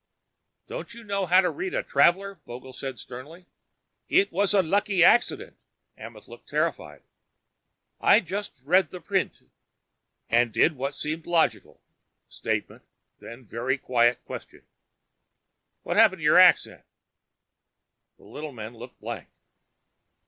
"Don't you know how to read a traveler?" Vogel asked sternly. "It was a lucky accident." Amenth looked terrified. "I just read the print " "And did what seemed logical." Statement, then a very quiet question. "What happened to your accent?" The little man looked blank.